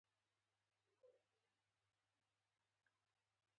استاد د پوهنې په لاره کې رڼا خپروي.